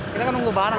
kita kan nunggu barang